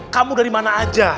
kamu dari mana aja